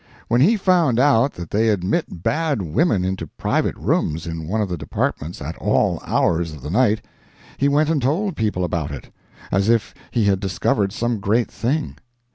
When he found out that they admit bad women into private rooms in one of the Departments at all hours of the night he went and told people about it, as if he had discovered some great thing.